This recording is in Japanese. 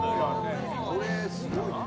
これすごいな。